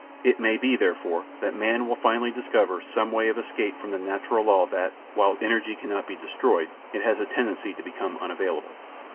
It may be, therefore, that man will finally discover some way of escape from the natural law that, while energy cannot be destroyed, it has a tendency to become unavailable.